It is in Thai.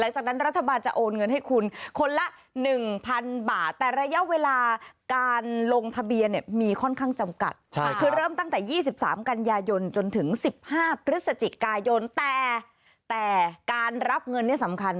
สิทธิกายนแต่แต่การรับเงินเนี่ยสำคัญเหมือนกัน